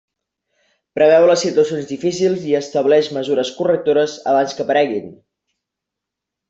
Preveu les situacions difícils i estableix mesures correctores abans que apareguin.